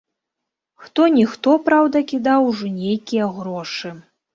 Хто-ніхто, праўда, кідаў усё ж нейкія грошы.